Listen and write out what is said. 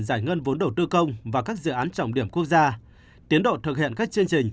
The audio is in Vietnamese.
giải ngân vốn đầu tư công và các dự án trọng điểm quốc gia tiến độ thực hiện các chương trình